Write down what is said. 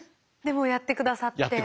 でもやって下さって。